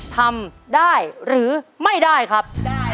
ทำได้หรือไม่ได้ครับ